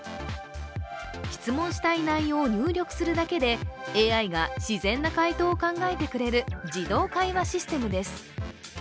質問したい内容を入力するだけでＡＩが自然な回答を考えてくれる自動会話システムです。